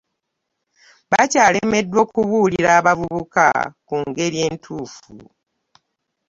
Bakyalemeddwa okubuulira abavubuka ku ngeri entuufu